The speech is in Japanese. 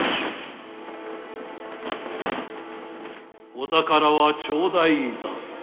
お宝は頂戴いたす。